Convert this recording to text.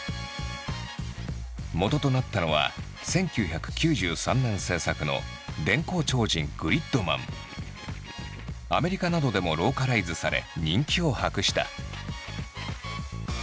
もととなったのは１９９３年制作のアメリカなどでもローカライズされ人気を博した。